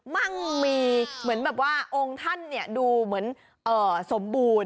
มั่งมีเหมือนแบบว่าองค์ท่านดูเหมือนสมบูรณ์